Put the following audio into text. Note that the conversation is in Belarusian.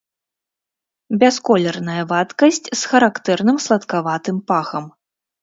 Бясколерная вадкасць з характэрным саладкаватым пахам.